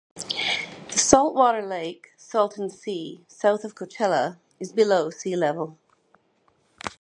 The saltwater lake, Salton Sea, south of Coachella, is below sea level.